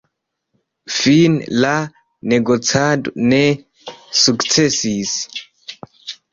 Fine la negocado ne sukcesis.